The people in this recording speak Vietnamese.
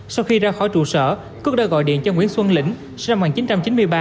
sau khi ra khỏi trụ sở quốc đã gọi điện cho nguyễn xuân lĩnh sinh năm một nghìn chín trăm chín mươi ba